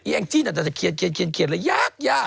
ไอ้แองจี้หนัดจะเคียดเป็นละยาก